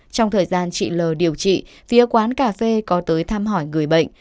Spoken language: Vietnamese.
trong thời gian chị l điều trị phía quán cà phê có tới thăm hỏi người bệnh